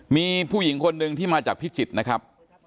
มีผู้หญิงคนหนึ่งที่มาจากพิจิตรนะครับ